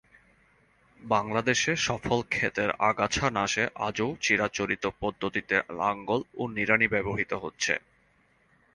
বাংলাদেশে ফসল ক্ষেতের আগাছা নাশে আজও চিরাচরিত পদ্ধতিতে লাঙল এবং নিড়ানি ব্যবহূত হচ্ছে।